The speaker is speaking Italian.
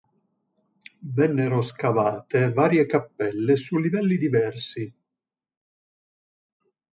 Vennero scavate varie cappelle su livelli diversi.